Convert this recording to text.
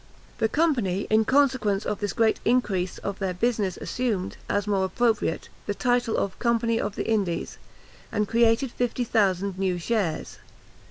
The Company, in consequence of this great increase of their business, assumed, as more appropriate, the title of Company of the Indies, and created fifty thousand new shares.